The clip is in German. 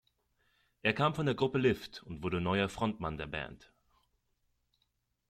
Er kam von der Gruppe Lift und wurde neuer Frontmann der Band.